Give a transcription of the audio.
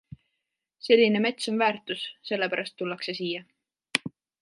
Selline mets on väärtus, selle pärast tullakse siia.